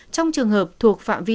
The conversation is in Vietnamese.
trong trường hợp thuộc phạm vi